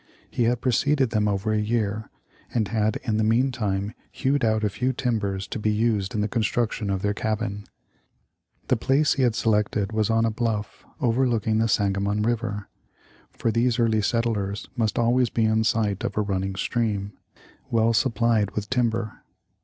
He had preceded them over a year, and had in the meantime hewed out a few timbers to be used in the construction of their cabin. The place he had selected was on a bluff overlooking the Sangamon river, — for these early settlers must always be in sight of a running stream, — well supplied with tim ber.